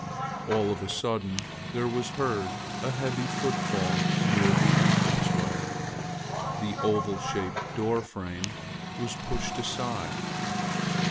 All of a sudden there was heard a heavy footfall near the entrance way. The oval shaped door frame was pushed aside.